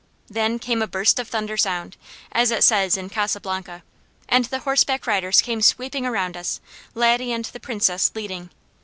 "Then came a burst of thunder sound," as it says in "Casablanca," and the horseback riders came sweeping around us, Laddie and the Princess leading.